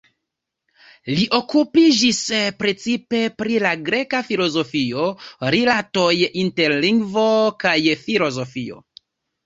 Li okupiĝis precipe pri la greka filozofio, rilatoj inter lingvo kaj filozofio.